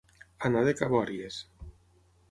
Anar de cabòries.